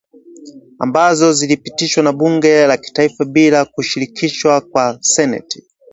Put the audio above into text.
ambazo zilipitishwa na Bunge la Kitaifa bila kushirikishwa kwa Seneti